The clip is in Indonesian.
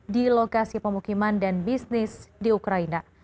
di lokasi pemukiman dan bisnis di ukraina